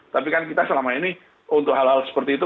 tapi kan kita selama ini untuk hal hal seperti itu